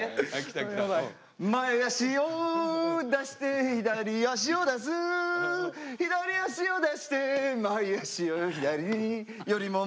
「前足を出して左足を出す」「左足を出して前足を左よりも前に出す」